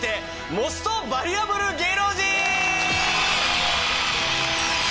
『モストバリュアブル芸能人』！